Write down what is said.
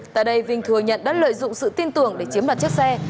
tại đây vinh thừa nhận đã lợi dụng sự tin tưởng để chiếm đoạt chiếc xe